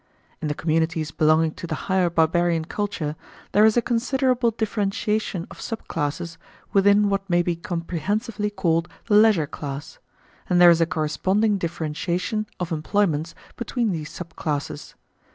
In the communities belonging to the higher barbarian culture there is a considerable differentiation of sub classes within what may be comprehensively called the leisure class; and there is a corresponding differentiation of employments between these sub classes.